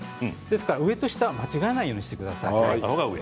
ですから上と下を間違えないようにしてください。